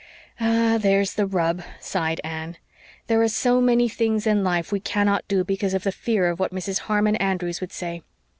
"Ah, there's the rub," sighed Anne. "There are so many things in life we cannot do because of the fear of what Mrs. Harmon Andrews would say.